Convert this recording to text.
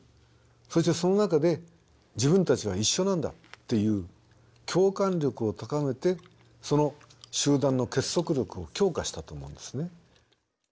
そしてその中で「自分たちは一緒なんだ」っていう共感力を高めてその集団の結束力を強化したと思うんですね。